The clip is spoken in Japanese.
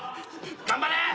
頑張れ！